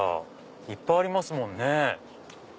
いっぱいありますもんね。